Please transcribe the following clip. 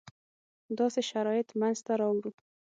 داسې شرایط منځته راوړو.